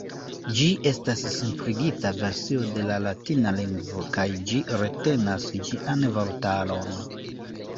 Ĝi estas simpligita versio de la latina lingvo, kaj ĝi retenas ĝian vortaron.